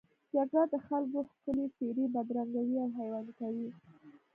جګړه د خلکو ښکلې څېرې بدرنګوي او حیواني کوي